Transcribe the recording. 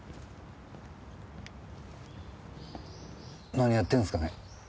何やってるんすかね？